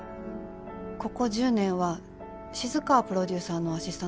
ここ１０年は静川プロデューサーのアシスタントをしていました。